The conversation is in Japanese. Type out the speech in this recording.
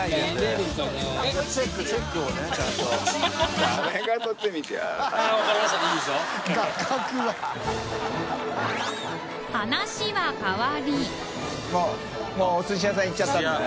僂錣蝓發お寿司屋さんいっちゃったんでね。